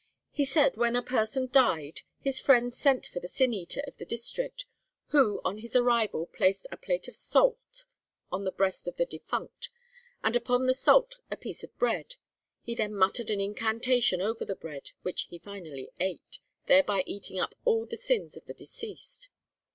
He said: 'When a person died, his friends sent for the Sin eater of the district, who on his arrival placed a plate of salt on the breast of the defunct, and upon the salt a piece of bread. He then muttered an incantation over the bread, which he finally ate, thereby eating up all the sins of the deceased.